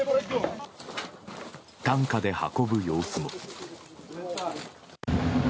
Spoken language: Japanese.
担架で運ぶ様子も。